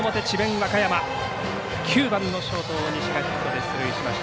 和歌山、９番のショート大西がヒットで出塁しました。